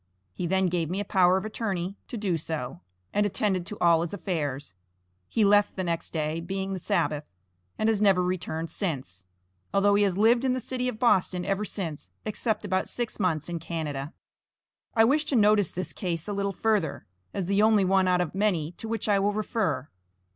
He then gave me a power of attorney to do so, and attended to all his affairs. He left the next day, being the Sabbath, and has never returned since, although he has lived in the City of Boston ever since, except about six months in Canada. I wish to notice this case a little further, as the only one out of many to which I will refer.